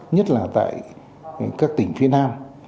nhất là tại các tỉnh phía nam